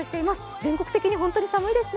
全国的に本当に寒いですね。